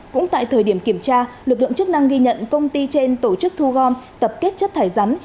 cũng tại thời điểm kiểm tra lực lượng chức năng ghi nhận công ty trên tổ chức thu gom tập kết chất thải rắn